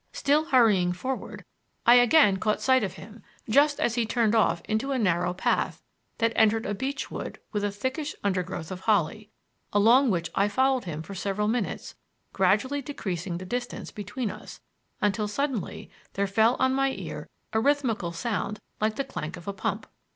Still hurrying forward, I again caught sight of him just as he turned off into a narrow path that entered a beech wood with a thickish undergrowth of holly, along which I followed him for several minutes, gradually decreasing the distance between us, until suddenly there fell on my ear a rhythmical sound like the clank of a pump.